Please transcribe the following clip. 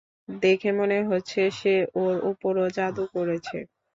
দেখে মনে হচ্ছে, সে ওর উপরও জাদু করেছে।